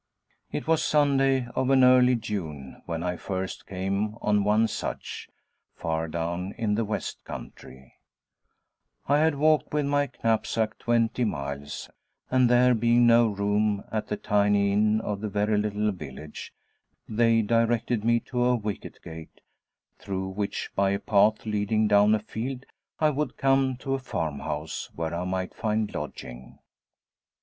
It was Sunday of an early June when I first came on one such, far down in the West country. I had walked with my knapsack twenty miles; and, there being no room at the tiny inn of the very little village, they directed me to a wicket gate, through which by a path leading down a field I would come to a farmhouse where I might find lodging.